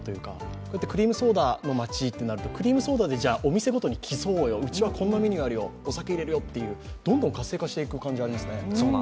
こうやってクリームソーダの町ってなると、クリームソーダでお店ごとに競おうよ、うちはこんなメニューあるよとどんどん活性化していくイメージがありますね。